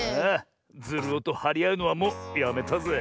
ズルオとはりあうのはもうやめたぜ。